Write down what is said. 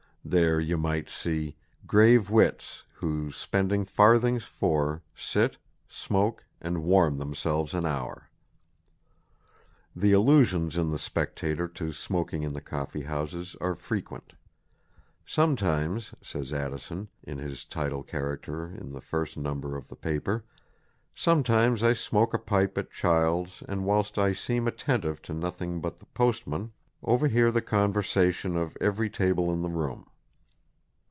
There you might see Grave wits, who, spending farthings four, Sit, smoke, and warm themselves an hour. The allusions in the Spectator to smoking in the coffee houses are frequent. "Sometimes," says Addison, in his title character in the first number of the paper, "sometimes I smoak a pipe at Child's and whilst I seem attentive to nothing but the Post man, over hear the conversation of every table in the room."